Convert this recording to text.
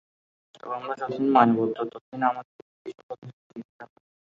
তবে আমরা যতদিন মায়াবদ্ধ, ততদিন আমাদিগকে এই-সকল দৃশ্য দেখিতে হয়।